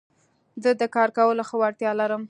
زه د کار کولو ښه وړتيا لرم.